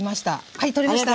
はい取れました！